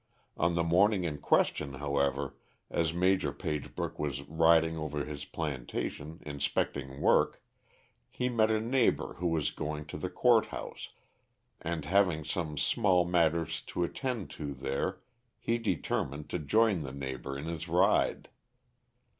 On the morning in question, however, as Maj. Pagebrook was riding over his plantation, inspecting work, he met a neighbor who was going to the Court House, and having some small matters to attend to there he determined to join the neighbor in his ride.